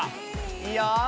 いいよ。